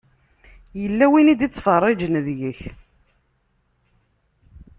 Yella win i d-ittfeṛṛiǧen deg-k.